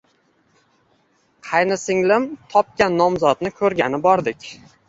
Qaynsinglim topgan nomzodni ko`rgani bordik